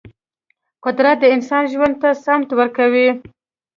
قدرت د انسان ژوند ته سمت ورکوي.